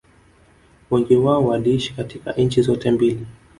wengi wao waliishi katika nchi zote mbili